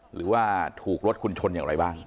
หรือว่าถูกรถคุณชนอย่างไรบ้าง